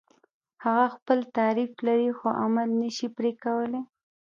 هغه خپل تعریف لري خو عمل نشي پرې کولای.